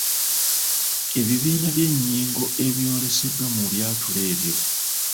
Ebibiina by’ennyingo ebyoleseddwa mu byatulo ebyo.